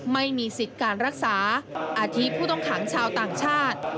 ไม่มีสิทธิ์การรักษาอาทิตผู้ต้องขังชาวต่างชาติ